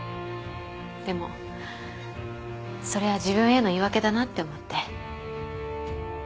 でもそれは自分への言い訳だなって思って。